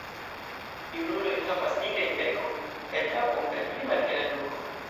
Junuloj havas nigrajn bekon kaj kapon kaj pli malhelan nukon.